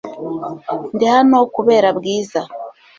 Ndi hano kubera Bwiza .